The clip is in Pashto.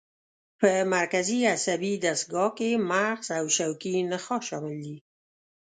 په مرکزي عصبي دستګاه کې مغز او شوکي نخاع شامل دي.